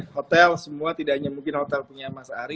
hotel semua tidak hanya mungkin hotel punya mas ari